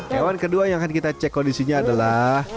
hewan kedua yang akan kita cek kondisinya adalah